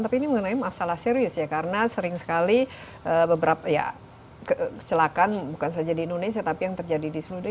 tapi ini mengenai masalah serius ya karena sering sekali beberapa ya kecelakaan bukan saja di indonesia tapi yang terjadi di seluruh dunia